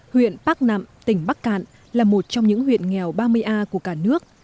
huyện bắc nạm tỉnh bắc cạn là một trong những huyện nghèo ba mươi a của cả nước